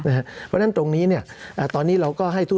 สำหรับกำลังการผลิตหน้ากากอนามัย